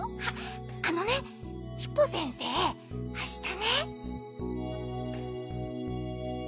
あのねヒポ先生あしたね。